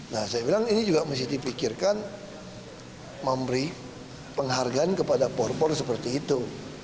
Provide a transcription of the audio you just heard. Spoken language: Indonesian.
nah saya bilang ini juga mesti dipikirkan memberi penghargaan kepada porpor seperti itu